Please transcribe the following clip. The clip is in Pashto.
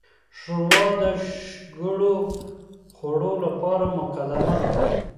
ښوروا د شګوړو خوړو لپاره مقدمه ده.